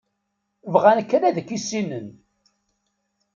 Bɣan kan ad k-issinen.